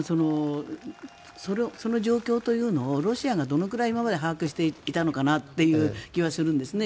その状況というのをロシアがどのくらい今まで把握していたのかなという気はするんですね。